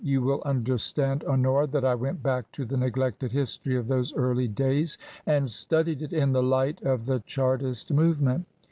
" You will understand, Honora, that I went back to the neglected history of those early days and studied it in the light of the Chartist movement.